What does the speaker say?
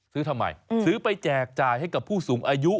ซื้อทำไมซื้อไปแจกจ่ายให้กับผู้สูงอายุ